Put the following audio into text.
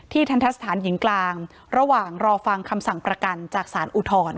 ทันทะสถานหญิงกลางระหว่างรอฟังคำสั่งประกันจากสารอุทธรณ์